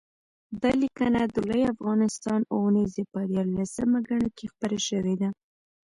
دا لیکنه د لوی افغانستان اوونیزې په یارلسمه ګڼه کې خپره شوې ده